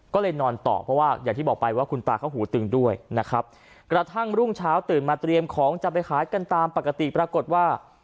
ก็เลยนอนต่อเพราะว่าอย่างที่บอกไปว่าคุณตาเขาหูตึงด้วยนะครับกระทั่งรุ่งเช้าตื่นมาเตรียมของจะไปขายกันตามปกติปรากฏว่า